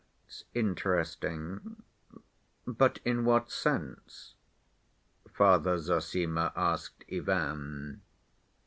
"That's interesting. But in what sense?" Father Zossima asked Ivan.